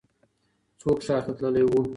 څوک ښار ته تللی و؟